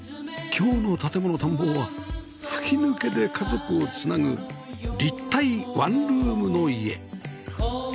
今日の『建もの探訪』は吹き抜けで家族を繋ぐ立体ワンルームの家